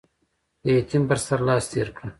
د يتيم پر سر لاس تېر کړه.